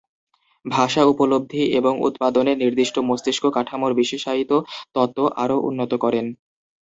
ভাষা উপলব্ধি এবং উৎপাদনে নির্দিষ্ট মস্তিষ্ক কাঠামোর বিশেষায়িত তত্ত্ব আরো উন্নত করেন।